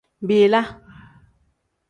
Bila.